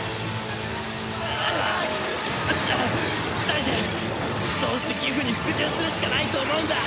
大二どうしてギフに服従するしかないと思うんだ？